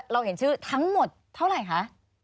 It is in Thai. เราเห็นชื่อทั้งหมดเท่าไหร่คะ